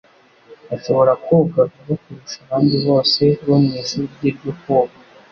ashobora koga vuba kurusha abandi bose bo mu ishuri rye ryo koga.